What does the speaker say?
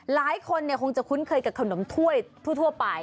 หลายคนคงจะคุ้นเคยกับขนมถ้วยทั่วไป